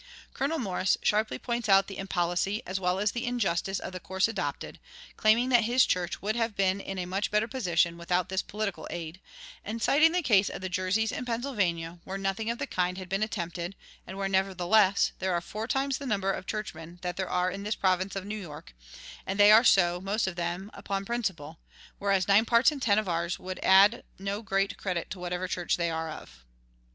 Colonel Morris sharply points out the impolicy as well as the injustice of the course adopted, claiming that his church would have been in a much better position without this political aid, and citing the case of the Jerseys and Pennsylvania, where nothing of the kind had been attempted, and where, nevertheless, "there are four times the number of churchmen that there are in this province of New York; and they are so, most of them, upon principle, whereas nine parts in ten of ours will add no great credit to whatever church they are of."